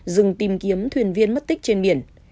dừng tìm kiếm thuyền viên mất tích trên biển